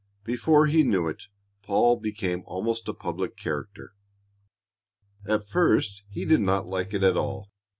Before he knew it Paul became almost a public character. At first he did not like it at all.